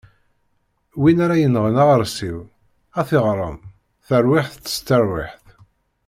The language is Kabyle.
Win ara yenɣen aɣersiw, ad t-iɣrem: Taṛwiḥt s teṛwiḥt.